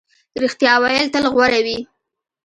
رښتیا ویل تل غوره وي.